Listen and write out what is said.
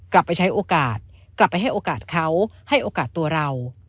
กลับไปใช้โอกาสกลับไปให้โอกาสเขาให้โอกาสตัวเรา